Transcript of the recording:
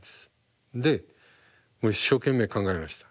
で一生懸命考えました。